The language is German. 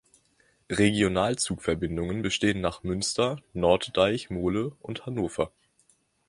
Regionalzugverbindungen bestehen nach Münster, Norddeich Mole und Hannover.